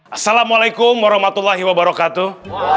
assalamualaikum warahmatullahi wabarakatuh